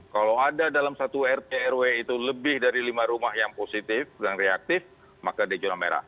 kalau ada dalam satu rprw itu lebih dari lima rumah yang positif yang reaktif maka ada zona merah